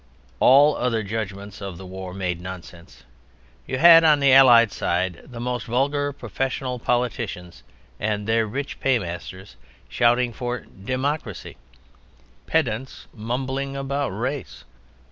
All other judgments of the war made nonsense: You had, on the Allied side, the most vulgar professional politicians and their rich paymasters shouting for "Democracy;" pedants mumbling about "Race."